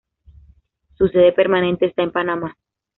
Su sede permanente está en Panamá.